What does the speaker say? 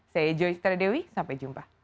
saya joyce teradewi sampai jumpa